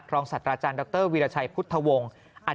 รองศัตริย์อาจารย์ดรวิราชัยพุทธวงศ์